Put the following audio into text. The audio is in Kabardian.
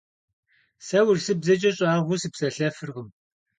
Se vurısıbzeç'e ş'ağueu sıpselhefırkhım.